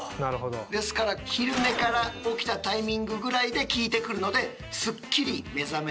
ですから昼寝から起きたタイミングぐらいで効いてくるのでスッキリ目覚められるそうです。